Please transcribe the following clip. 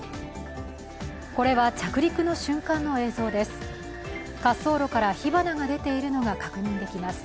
これは、着陸の瞬間の映像です。